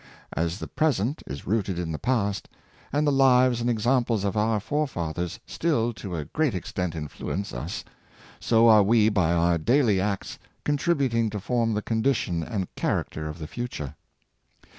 As the present is rooted in the past, and the lives and examples of our forefathers still to a great extent influence us, so are we by our daily acts contributing to form the condition and character of the future.